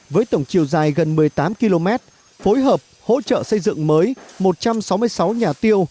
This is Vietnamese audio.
với tổng chiều dài gần một mươi tám km phối hợp hỗ trợ xây dựng mới một trăm sáu mươi sáu nhà tiêu